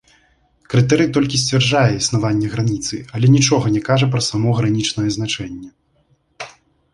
Крытэрый толькі сцвярджае існаванне граніцы, але нічога не кажа пра само гранічнае значэнне.